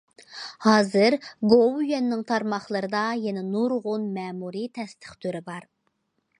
ھازىر، گوۋۇيۈەننىڭ تارماقلىرىدا يەنە نۇرغۇن مەمۇرىي تەستىق تۈرى بار.